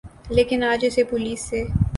لیکن اج اسے پولیس سے